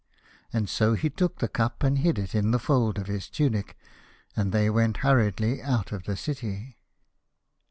So he took the cup and hid it in the fold of his tunic, and they went hurriedly out of the city.